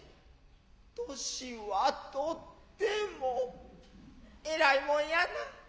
年は取ってもえらいもんやナァ。